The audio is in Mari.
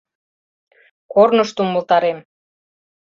— Корнышто умылтарем!